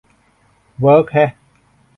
เวิร์กแฮะ